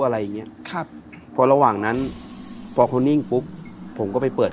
อะไรอย่างเงี้ยครับพอระหว่างนั้นพอเขานิ่งปุ๊บผมก็ไปเปิด